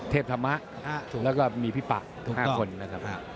เทพธรรมะแล้วก็มีพี่ปะทุกคนนะครับ